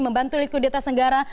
membantu likuiditas negara